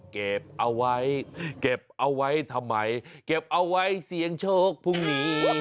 เก็บเอาไว้เก็บเอาไว้ทำไมเก็บเอาไว้เสียงโชคพรุ่งนี้